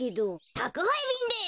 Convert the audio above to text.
たくはいびんです。